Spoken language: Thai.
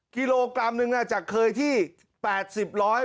กิโลกรัมหนึ่งจากเคยที่๘๐ร้อย